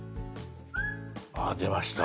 あ出ました。